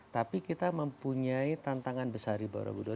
tapi kita mempunyai tantangan besar di borobudur